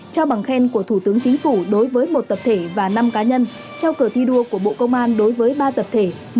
trao bằng khen của thủ tướng chính phủ đối với một tập thể và năm cá nhân trao cờ thi đua của bộ công an đối với ba tập thể